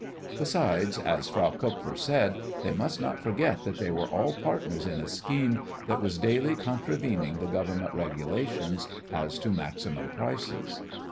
Besides, as Frau Kupfer said, they must not forget that they were all partners in a scheme that was daily contravening the Government regulations as to maximum prices.